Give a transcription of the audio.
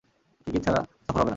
Ticket ছাড়া সফর হবে না।